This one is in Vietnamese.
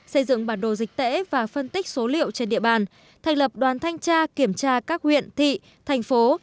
xây dựng bản đồ dịch tễ và phân tích số liệu trên địa bàn thành lập đoàn thanh tra kiểm tra các huyện thị thành phố